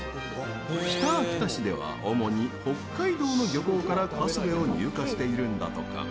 北秋田市では主に北海道の漁港からカスベを入荷しているんだとか。